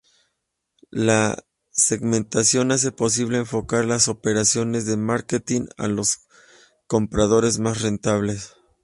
La segmentación hace posible enfocar las operaciones de marketing a los compradores más rentables.